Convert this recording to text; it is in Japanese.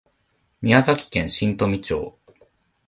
宮崎県新富町